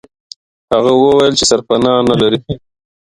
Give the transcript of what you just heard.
هغه وویل چې سرپنا نه لري.